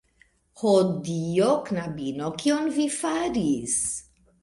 Ho Dio, knabino, kion vi faris!?